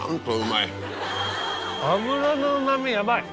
脂のうまみヤバい。